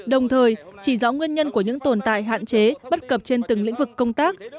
đồng thời chỉ rõ nguyên nhân của những tồn tại hạn chế bất cập trên từng lĩnh vực công tác